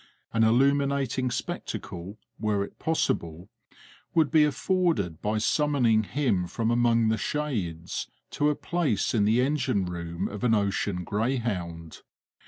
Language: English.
An illuminating spectacle, were it possible, would be afforded by summoning him from among the Shades to a place in the engine room of an ocean greyhound.